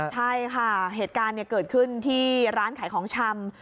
ใช่ค่ะเหตุการณ์เกิดขึ้นที่ร้านขายของชำ